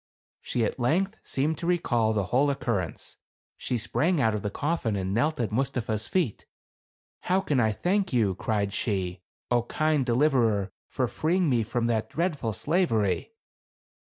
She at length seemed to recall the whole occurrence. She sprang out of the coffin and knelt at Mustapha's feet. "How can I thank you," cried she, " 0, kind deliverer, for freeing me from that dreadful slavery